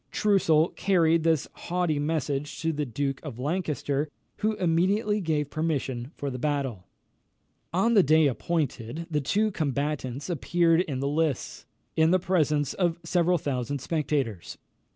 Troussel carried this haughty message to the Duke of Lancaster, who immediately gave permission for the battle. On the day appointed, the two combatants appeared in the lists, in the presence of several thousand spectators.